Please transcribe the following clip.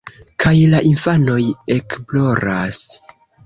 Kaj la infanoj ekploras.